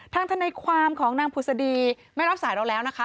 ทนายความของนางผุศดีไม่รับสายเราแล้วนะคะ